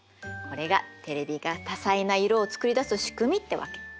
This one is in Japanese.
これがテレビが多彩な色を作り出す仕組みってわけ。